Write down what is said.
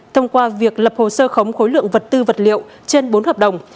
thông qua việc lập hồ sơ khống khối lượng vật tư vật liệu trên bốn hợp đồng